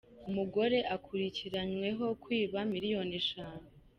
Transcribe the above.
Umugore akurikiranyweho kwiba miliyoni eshanu